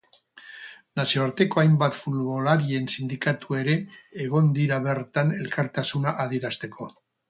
Nazioarteko hainbat futbolarien sindikatu ere egon dira bertan elkartasuna adierazteko.